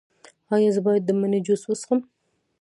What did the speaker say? ایا زه باید د مڼې جوس وڅښم؟